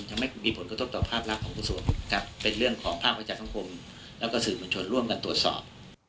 ยังไม่มีผลกระทบต่อภาพลักษณ์ของประสุทธิ์ครับ